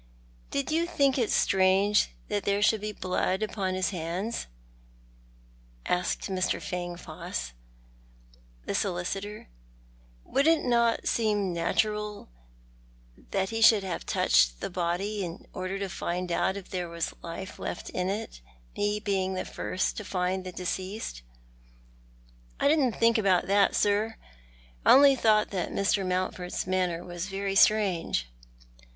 " Did you think it strange that there" should be blood upon his hands ?" asked Mr. Fangfoss, the solicitor. " Would it not seem to you natural that he should have touched the body in order to find out if there was life left in it— he being the first to find the deceased ?" "I didn't think about that, sir. I only thought that Mr. 3Iountford's manner was very strange."